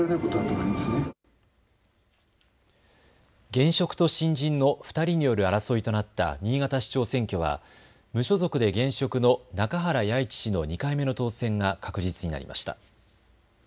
現職と新人の２人による争いとなった新潟市長選挙は無所属で現職の中原八一氏の２回目の当選が確実になりました。